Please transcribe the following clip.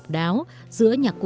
tôi thích nó